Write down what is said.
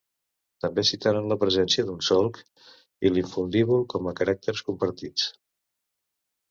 També citaren la presència d'un solc i l'infundíbul com a caràcters compartits.